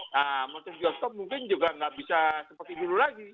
nah motif bioskop mungkin juga nggak bisa seperti dulu lagi